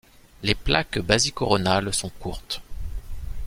Les plaques basicoronales sont courtes.